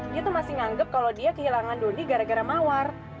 dia tuh masih nganggep kalau dia kehilangan dodi gara gara mawar